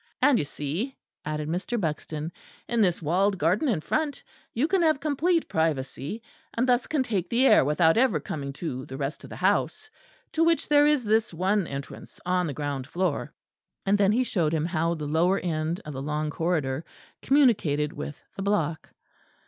"And you see," added Mr. Buxton, "in this walled garden in front you can have complete privacy, and thus can take the air without ever coming to the rest of the house; to which there is this one entrance on the ground floor." And then he showed him how the lower end of the long corridor communicated with the block.